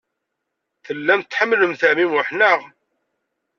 Tellam tḥemmlem ɛemmi Muḥ, naɣ?